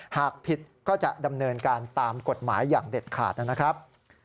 หากผิดก็จะดำเนินการตามกฎหมายอย่างเด็ดขาดนะครับ